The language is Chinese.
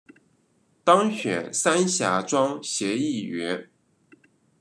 当选三峡庄协议员